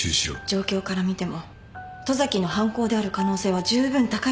状況からみても十崎の犯行である可能性はじゅうぶん高いです。